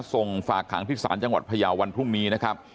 ส่งฝากขังที่ศาลจังหวัดพยาววันพรุ่งนี้นะครับ